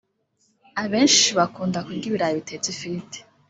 Abenshi bakunda kurya ibirayi bitetse ifiriti